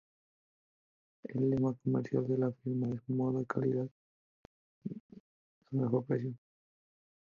El lema comercial de la firma es "Moda y calidad al mejor precio".